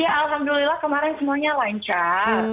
ya alhamdulillah kemarin semuanya lancar